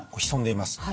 潜んでいます。